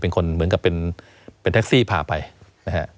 เหมือนกับเป็นแท็กซี่พาไปนะฮะ